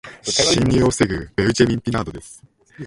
侵入を防ぐベウチェミン・ピナードです。